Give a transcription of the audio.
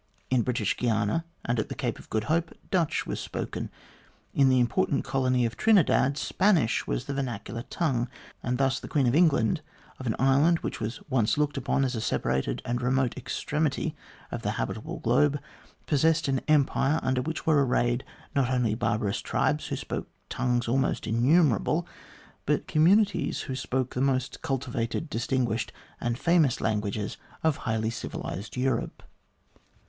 In British Guiana and at the Cape of Good Hope, Dutch was spoken. In the important colony of Trinidad, Spanish was the vernacular tongue. And thus the Queen of England, of an island which once was looked upon as a separated and remote extremity of the habitable globe, possessed an Empire under which were arrayed, not only barbarous tribes who spoke tongues almost innumerable, but communities who spoke the most cultivated, distinguished, and famous languages of highly civilised Europe.